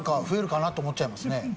増えるかなと思っちゃいますね。